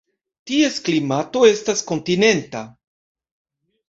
Ties klimato estas kontinenta.